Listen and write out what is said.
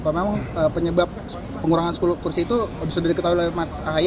memang penyebab pengurangan sepuluh kursi itu sudah diketahui oleh mas ahy